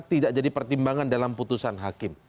tidak jadi pertimbangan dalam putusan hakim